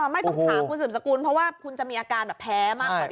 ไม่ต้องถามคุณสืบสกุลเพราะว่าคุณจะมีอาการแบบแพ้มากกว่า